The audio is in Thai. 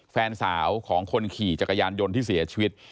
แฟนสาวของคนขี่จักรยานยนต์ที่เสียชีวิต